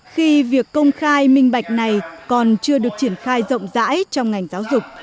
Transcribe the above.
khi việc công khai minh bạch này còn chưa được triển khai rộng rãi trong ngành giáo dục